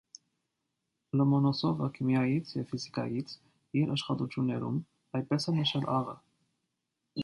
Լոմոնոսովը քիմիայից և ֆիզիկայից իր աշխատություններում այդպես է նշել աղը։